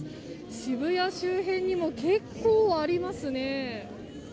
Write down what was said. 渋谷周辺にも結構ありますね。